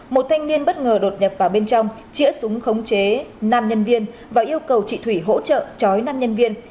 một thanh niên bất ngờ đột nhập vào bên trong chĩa súng khống chế nam nhân viên và yêu cầu chị thủy hỗ trợ chói năm nhân viên